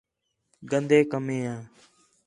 گندے کمّیں آ